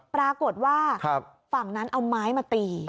ปรากฏว่าฝั่งนั้นเอาไม้มาตี